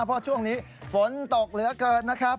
เพราะช่วงนี้ฝนตกเหลือเกินนะครับ